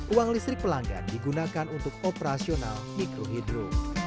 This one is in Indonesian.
uang listrik pelanggan digunakan untuk operasional mikrohidro